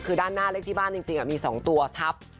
คือด้านหน้าเลขที่บ้านจริงมี๒ตัวทับ